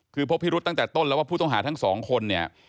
คือพบพิรุษตั้งแต่ต้นแล้วว่าผู้ต้องหาทั้งสองคนเนี่ย